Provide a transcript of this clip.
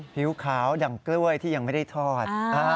ผิวขาวดั่งกล้วยที่ยังไม่ได้ทอด